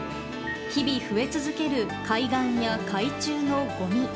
日々、増え続ける海岸や海中のごみ。